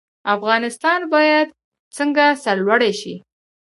افغانستان باید څنګه سرلوړی شي؟